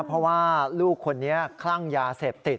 เพราะว่าลูกคนนี้คลั่งยาเสพติด